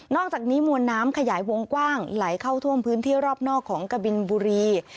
อกจากนี้มวลน้ำขยายวงกว้างไหลเข้าท่วมพื้นที่รอบนอกของกบินบุรี